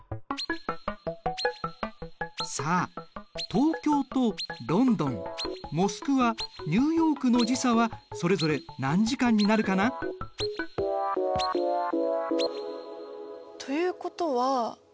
さあ東京とロンドンモスクワニューヨークの時差はそれぞれ何時間になるかな？ということはえっと